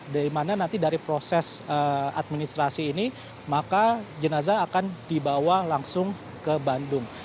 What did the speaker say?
dari mana nanti dari proses administrasi ini maka jenazah akan dibawa langsung ke bandung